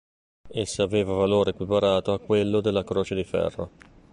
Essa aveva valore equiparato a quello della croce di ferro.